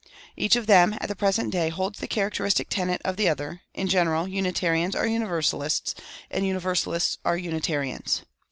Each of them, at the present day, holds the characteristic tenet of the other; in general, Unitarians are Universalists, and Universalists are Unitarians.